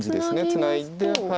ツナいで